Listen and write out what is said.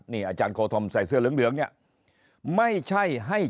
นี่อาจารย์โคธอมใส่เสื้อเหลืองเนี่ยไม่ใช่ให้